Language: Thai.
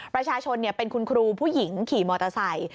ประชาชนเป็นคุณครูผู้หญิงขี่มอเตอร์ไซค์